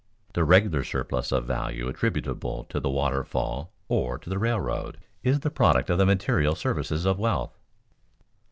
The regular surplus of value attributable to the waterfall or to the railroad, is the product of the material services of wealth.